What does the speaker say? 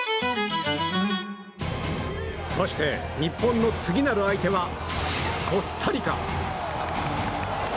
そして日本の次なる相手はコスタリカ。